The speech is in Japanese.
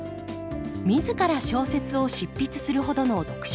自ら小説を執筆するほどの読書家